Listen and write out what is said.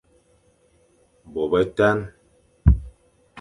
Bô betan,